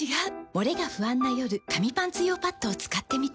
モレが不安な夜紙パンツ用パッドを使ってみた。